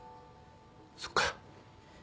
そっか